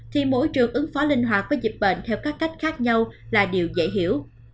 thì môi trường ứng phó linh hoạt với dịch bệnh theo các cách khác nhau là điều dễ hiểu